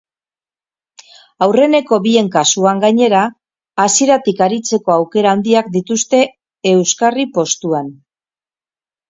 Aurreneko bien kasuan gainera, hasieratik aritzeko aukera handiak dituzte euskarri postuan.